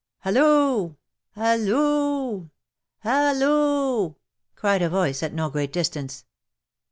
" Halloo ! Halloo ! Halloo !" cried a voice at no great distance.